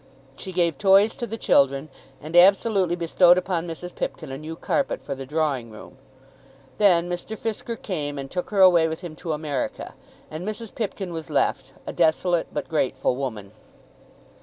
She gave toys to the children, and absolutely bestowed upon Mrs. Pipkin a new carpet for the drawing room. Then Mr. Fisker came and took her away with him to America; and Mrs. Pipkin was left, a desolate but grateful woman.